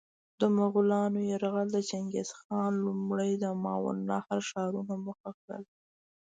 د مغولانو یرغل: چنګیزخان لومړی د ماورالنهر ښارونه موخه کړل.